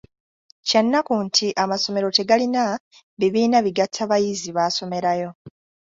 Kya nnaku nti amasomero tegalina bibiina bigatta bayizi baasomerayo.